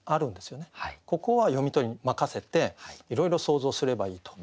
ここは読み手に任せていろいろ想像すればいいと。